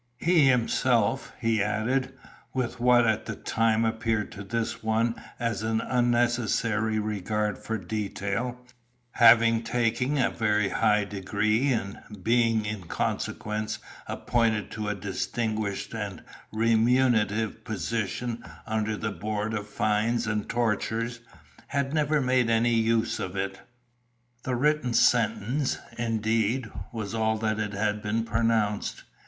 He himself, he added, with what at the time appeared to this one as an unnecessary regard for detail, having taken a very high degree, and being in consequence appointed to a distinguished and remunerative position under the Board of Fines and Tortures, had never made any use of it. "The written sentence, indeed, was all that it had been pronounced.